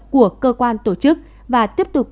của cơ quan tổ chức và tiếp tục